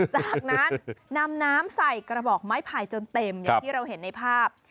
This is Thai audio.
จากนั้นนำน้ำใส่กระบอกไม้ไผ่จนเต็มอย่างที่เราเห็นในภาพ